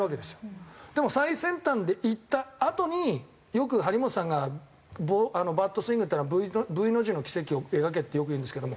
でも最先端でいったあとによく張本さんがバットスイングっていうのはＶの字の軌跡を描けってよく言うんですけども。